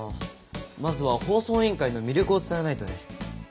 まずは放送委員会の魅力を伝えないとね。